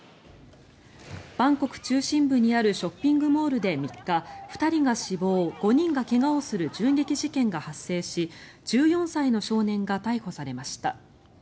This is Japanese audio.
バンコク中心部にあるショッピングモールで３日２人が死亡、５人が怪我をする銃撃事件が発生し１４歳の少年が逮捕されました。